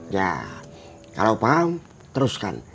ya kalau paham teruskan